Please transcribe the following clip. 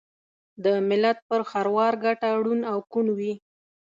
دملت پر خروار ګټه ړوند او کوڼ وي